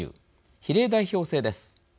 比例代表制です。